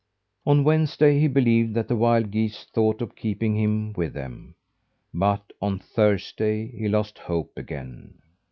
On Wednesday he believed that the wild geese thought of keeping him with them; but on Thursday he lost hope again.